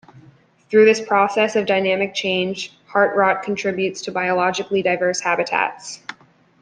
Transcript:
Through this process of dynamic change, heart rot contributes to biologically diverse habitats.